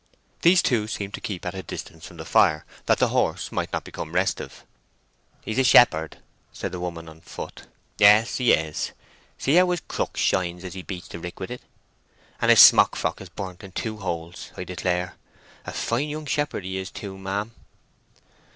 These two seemed to keep at a distance from the fire, that the horse might not become restive. "He's a shepherd," said the woman on foot. "Yes—he is. See how his crook shines as he beats the rick with it. And his smock frock is burnt in two holes, I declare! A fine young shepherd he is too, ma'am."